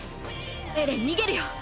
エレン逃げるよ！！